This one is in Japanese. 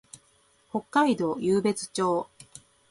北海道湧別町